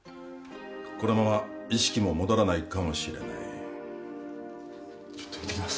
このまま意識も戻らないかもしれないちょっとみてきます